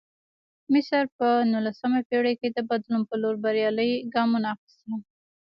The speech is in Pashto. مصر په نولسمه پېړۍ کې د بدلون په لور بریالي ګامونه اخیستل.